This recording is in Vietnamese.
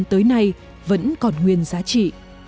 tới nay vẫn còn nguyên giá trị